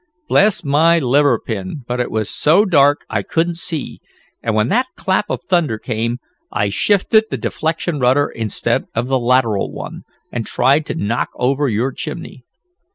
"Bless my liver pin, but it was so dark I couldn't see, and when that clap of thunder came I shifted the deflection rudder instead of the lateral one, and tried to knock over your chimney."